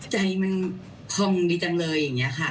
ใจมันพองดีจังเลยอย่างนี้ค่ะ